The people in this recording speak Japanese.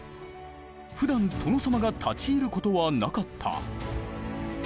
ふだん殿様が立ち入ることはなかった。